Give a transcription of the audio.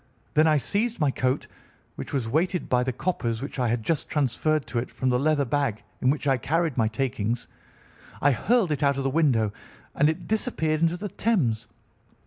Then I seized my coat, which was weighted by the coppers which I had just transferred to it from the leather bag in which I carried my takings. I hurled it out of the window, and it disappeared into the Thames.